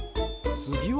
つぎは？